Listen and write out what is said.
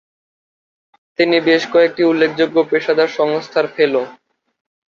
তিনি বেশ কয়েকটি উল্লেখযোগ্য পেশাদার সংস্থার ফেলো।